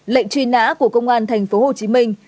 lệnh truy nã của công an thành phố hồ chí minh